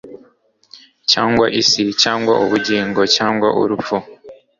cyangwa isi cyangwa ubugingo cyangwa urupfu